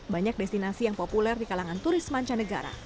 banyak destinasi yang populer di kalangan turis mancanegara